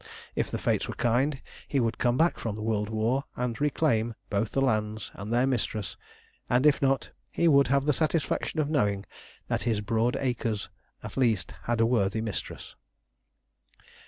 If the Fates were kind, he would come back from the world war and reclaim both the lands and their mistress, and if not he would have the satisfaction of knowing that his broad acres at least had a worthy mistress.